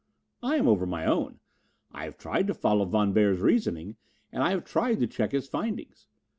"I'm over my own. I have tried to follow Von Beyer's reasoning and I have tried to check his findings.